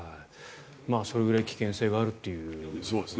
それぐらい危険性があるということですね。